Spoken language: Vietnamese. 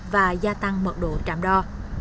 và gia tăng mật độ trạm đo